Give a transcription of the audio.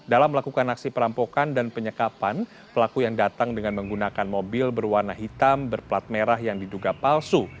dalam melakukan aksi perampokan dan penyekapan pelaku yang datang dengan menggunakan mobil berwarna hitam berplat merah yang diduga palsu